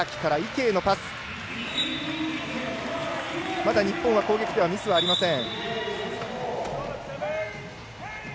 まだ日本は攻撃ではミスがありません。